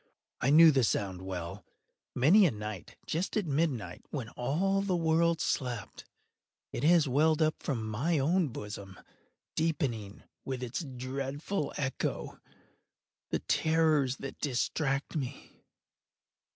I knew the sound well. Many a night, just at midnight, when all the world slept, it has welled up from my own bosom, deepening, with its dreadful echo, the terrors that distracted me.